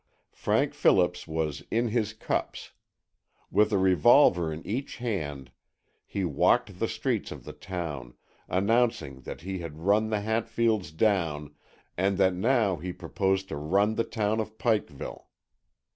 Frank Phillips was "in his cups." With a revolver in each hand he walked the streets of the town, announcing that he had run the Hatfields down and that now he proposed to run the town of Pikeville.